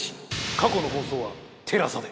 過去の放送はＴＥＬＡＳＡで。